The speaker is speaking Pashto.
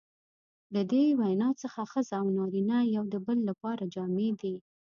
له دې وینا څخه ښځه او نارینه یو د بل لپاره جامې دي.